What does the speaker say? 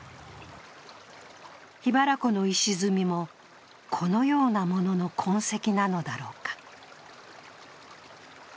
桧原湖の石積みも、このようなものの痕跡なのだろうか。